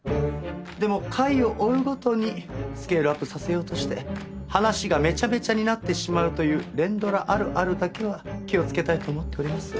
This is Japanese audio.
でも回を追うごとにスケールアップさせようとして話がめちゃめちゃになってしまうという連ドラあるあるだけは気をつけたいと思っております。